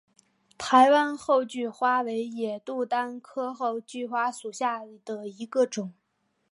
台湾厚距花为野牡丹科厚距花属下的一个种。